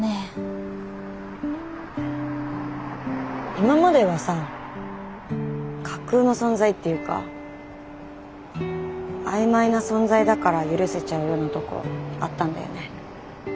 今まではさ架空の存在っていうか曖昧な存在だから許せちゃうようなとこあったんだよね。